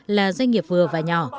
là doanh nghiệp vừa và nhỏ